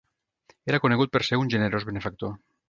Era conegut per ser un generós benefactor.